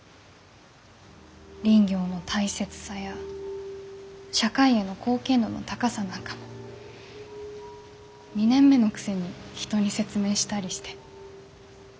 林業の大切さや社会への貢献度の高さなんかも２年目のくせに人に説明したりして。